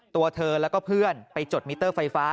ตัวเธอแล้วก็เพื่อนไปจดมิเตอร์ไฟฟ้า